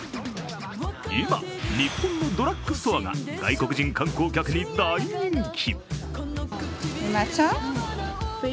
今、日本のドラッグストアが外国人観光客に大人気。